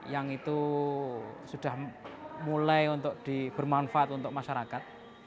yang itu sudah mulai untuk bermanfaat untuk masyarakat